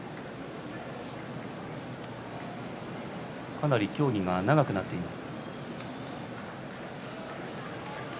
かなり協議が長くなっています。